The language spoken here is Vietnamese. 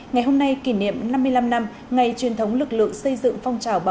ngày hôm nay kỷ niệm năm mươi năm năm ngày truyền thống lực lượng